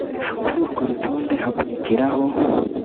Kuri urwo rutonde hakurikiraho